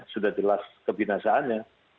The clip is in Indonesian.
sudah jelas kebinasaannya